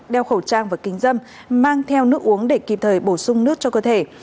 đeo khẩu trang và kính dâm mang theo nước uống để kịp thời bổ sung nước cho cơ thể